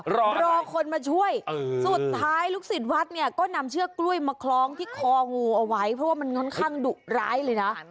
รอรอคนมาช่วยสุดท้ายลูกศิษย์วัดเนี่ยก็นำเชือกกล้วยมาคล้องที่คองูเอาไว้เพราะว่ามันค่อนข้างดุร้ายเลยนะ